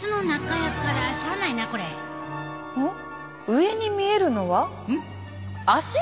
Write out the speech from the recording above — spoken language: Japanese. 上に見えるのは足！？